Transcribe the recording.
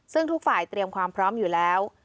ซึ่งทุกฝ่ายเตรียมความพร้อมอยู่แล้ว